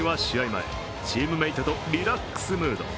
前、チームメートとリラックスムード。